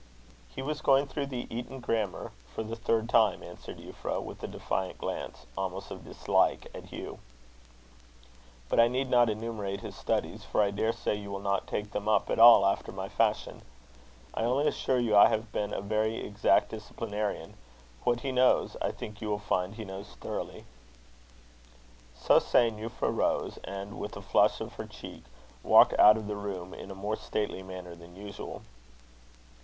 "He was going through the Eton grammar for the third time," answered Euphra, with a defiant glance, almost of dislike, at Hugh. "But I need not enumerate his studies, for I daresay you will not take them up at all after my fashion. I only assure you I have been a very exact disciplinarian. What he knows, I think you will find he knows thoroughly." So saying, Euphra rose, and with a flush on her cheek, walked out of the room in a more stately manner than usual.